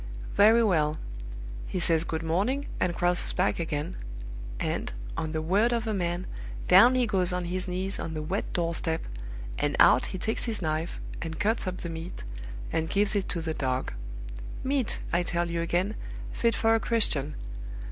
Very well. He says good morning, and crosses back again; and, on the word of a man, down he goes on his knees on the wet doorstep, and out he takes his knife, and cuts up the meat, and gives it to the dog. Meat, I tell you again, fit for a Christian!